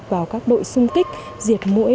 vào các đội xung kích diệt mũi